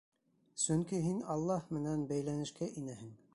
Сөнки һин Аллаһ менән бәйләнешкә инәһең.